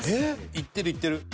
いってるいってる。